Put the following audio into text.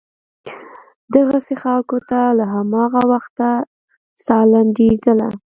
دغسې خلکو ته له هماغه وخته سا لنډېدله.